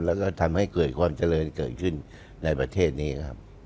แล้วก็ทำให้เกิดความเจริญเกิดขึ้นในประเทศนี้ครับ